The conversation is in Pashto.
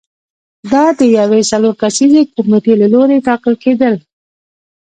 دا د یوې څلور کسیزې کمېټې له لوري ټاکل کېدل